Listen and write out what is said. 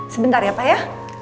sebentar ya pa ya